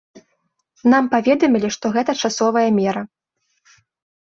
Нам паведамілі, што гэта часовая мера.